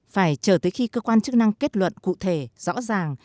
phải chờ tới khi cơ quan chức năng kết luận cụ thể rõ ràng